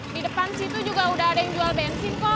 di depan situ juga udah ada yang jual bensin kok